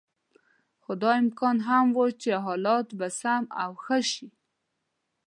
خو دا امکان هم و چې حالات به سم او ښه شي.